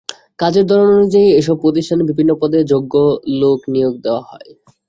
কাজের ধরন অনুযায়ী এসব প্রতিষ্ঠানে বিভিন্ন পদে যোগ্য লোক নিয়োগ দেওয়া হয়।